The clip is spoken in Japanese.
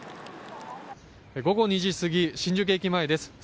午後２時過ぎ、新宿駅前です。